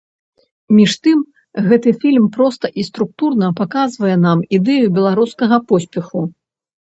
Між тым, гэты фільм проста і структурна паказвае нам ідэю беларускага поспеху.